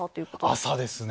朝ですね。